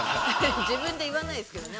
◆自分で言わないですけどね